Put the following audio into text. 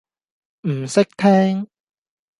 唔識聽